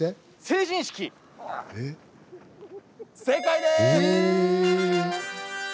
正解です。